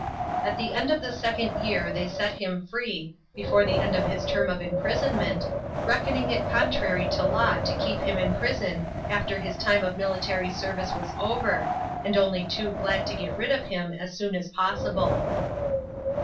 At the end of the second year they set him free, before the end of his term of imprisonment, reckoning it contrary to law to keep him in prison after his time of military service was over, and only too glad to get rid of him as soon as possible.